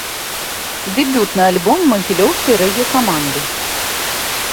Дэбютны альбом магілёўскай рэгі-каманды.